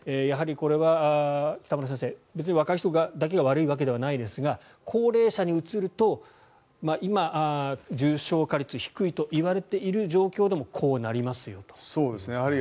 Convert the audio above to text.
やはりこれは北村先生別に若い人だけが悪いわけではないですが高齢者にうつると今、重症化率が低いといわれている状況でもこうなりますよと。